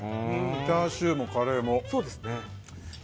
チャーシューもカレーも。